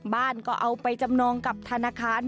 บ้านก็เอาไปจำนองกับธนาคาร